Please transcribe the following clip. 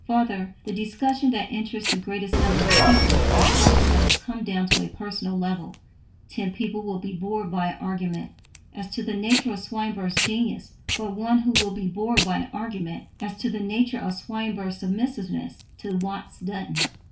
Further, the discussion that interests the greatest number of people is discussion that has come down to a personal level. Ten people will be bored by an argument as to the nature of Swinburne's genius for one who will be bored by an argument as to the nature of Swinburne's submissiveness to Watts Dunton.